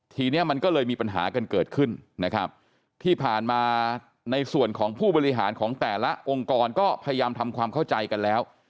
ทีนี้มันก็เลยมีปัญหากันเกิดขึ้นนะครับที่ผ่านมาในส่วนของผู้บริหารของแต่ละองค์กรก็พยายามทำความเข้าใจกันแล้ว